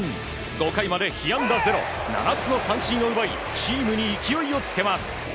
５回まで被安打ゼロ７つの三振を奪いチームに勢いをつけます。